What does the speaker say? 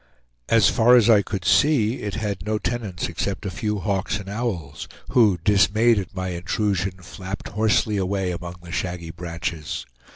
As far as I could see it had no tenants except a few hawks and owls, who, dismayed at my intrusion, flapped hoarsely away among the shaggy branches.